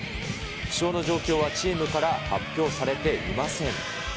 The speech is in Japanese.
負傷の状況はチームから発表されていません。